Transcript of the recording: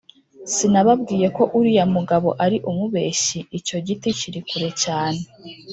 Sinababwiye ko uriya mugabo ari umubeshyi. Icyo giti kiri kure cyane